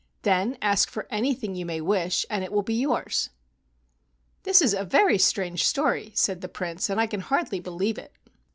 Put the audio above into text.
Then ask for anything you may wish, and it will be yours." "This is a very strange story," said the Prince, "and I can hardly believe it."